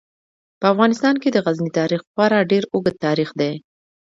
په افغانستان کې د غزني تاریخ خورا ډیر اوږد تاریخ دی.